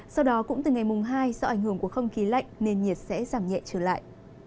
sau đó cũng từ ngày mùng hai do ảnh hưởng của không khí lạnh nền nhiệt sẽ giảm nhẹ trở lại